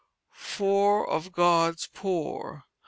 FOUR OF GOD'S POOR.